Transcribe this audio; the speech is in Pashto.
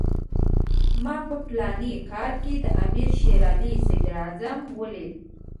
ما په فلاني کال کې د امیر شېر علي صدراعظم ولید.